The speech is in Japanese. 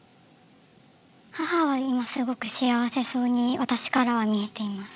母は今すごく幸せそうに私からは見えています。